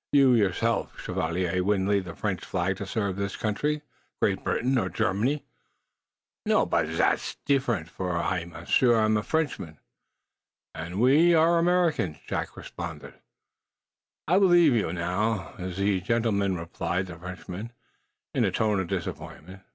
You yourself, Chevalier, wouldn't leave the French flag to serve this country, Great Britain or Germany." "No; but zat is deeferent, for I, monsieur, am French." "And we are American," Jack responded. "I will leave you, now, zen, gentlemen," replied the Frenchman, in a tone of disappointment.